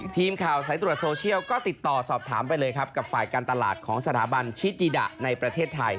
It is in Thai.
ทีมข่าวสายตรวจโซเชียลก็ติดต่อสอบถามไปเลยครับกับฝ่ายการตลาดของสถาบันชิจิดะในประเทศไทย